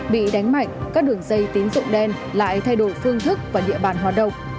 bị đánh mạnh các đường dây tín dụng đen lại thay đổi phương thức và địa bàn hoạt động